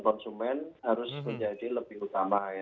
konsumen harus menjadi lebih utama